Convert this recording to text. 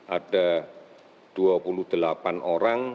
ada dua puluh delapan orang